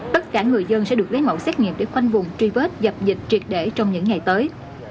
tất cả người dân sẽ được lấy mẫu xét nghiệm để khoanh vùng truy vết dập dịch triệt để trong những ngày tới